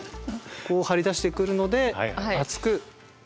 こう張り出してくるので暑くなると。